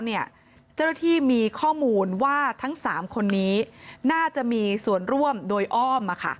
เจ้าหน้าที่มีข้อมูลว่าทั้ง๓คนนี้น่าจะมีส่วนร่วมโดยอ้อม